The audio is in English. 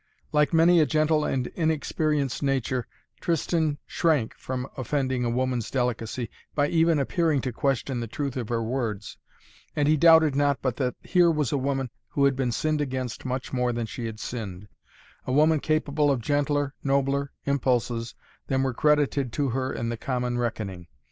Like many a gentle and inexperienced nature, Tristan shrank from offending a woman's delicacy, by even appearing to question the truth of her words, and he doubted not but that here was a woman who had been sinned against much more than she had sinned, a woman capable of gentler, nobler impulses than were credited to her in the common reckoning.